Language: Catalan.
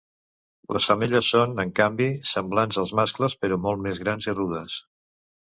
Les femelles són, en canvi, semblants als mascles però molt més grans i rudes.